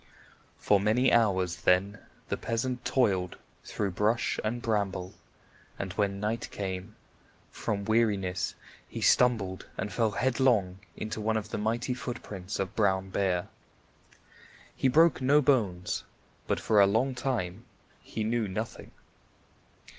For many hours then the peasant toiled through brush and bramble, and when night came, from weariness he stumbled and fell headlong into one of the mighty footprints of Brown Bear. He broke no bones, but for a long time he knew nothing.